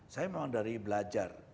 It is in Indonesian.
saya memang dari belajar